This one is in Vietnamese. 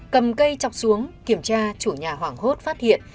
cầm cây chọc xuống kiểm tra chủ nhà hoảng hốt phát hiện